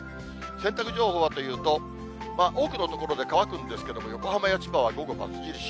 洗濯情報はというと、多くの所で乾くんですけれども、横浜や千葉は午後ばつ印。